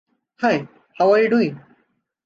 Hi, how are you doing?